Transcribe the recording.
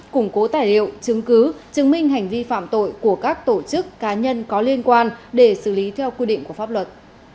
củng cố tài liệu chứng cứ chứng minh hành vi phạm tội của các tổ chức cá nhân có liên quan để xử lý theo quy định của pháp luật